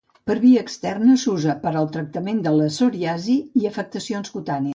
Per via externa s'usa per al tractament de la psoriasi i afeccions cutànies.